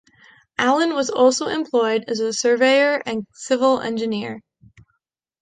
Allen was also employed as a surveyor and civil engineer.